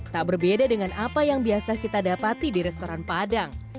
tak berbeda dengan apa yang biasa kita dapati di restoran padang